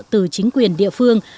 từ chính quyền địa phương